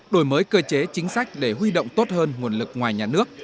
đổi mới cơ chế chính sách để huy động tốt hơn nguồn lực ngoài nhà nước